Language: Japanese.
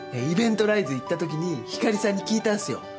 イベントライズ行ったときにひかりさんに聞いたんすよ。